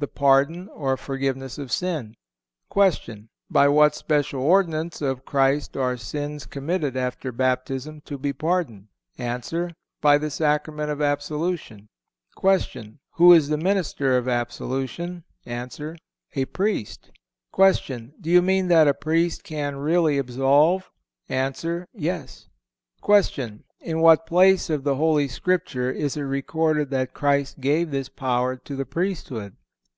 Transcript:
_ The pardon or forgiveness of sin. Q. By what special ordinance of Christ are sins committed after Baptism to be pardoned? A. By the sacrament of absolution. Q. Who is the minister of absolution? A. A Priest. Q. Do you mean that a Priest can really absolve? A. Yes. Q. In what place of the Holy Scripture is it recorded that Christ gave this power to the priesthood?